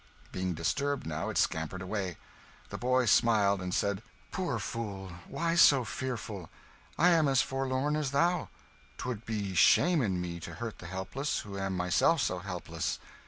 Being disturbed now, it scampered away. The boy smiled, and said, "Poor fool, why so fearful? I am as forlorn as thou. 'Twould be a sham in me to hurt the helpless, who am myself so helpless.